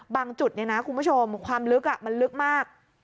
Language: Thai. จุดเนี่ยนะคุณผู้ชมความลึกมันลึกมาก